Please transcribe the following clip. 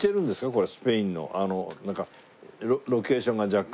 これスペインのなんかロケーションが若干。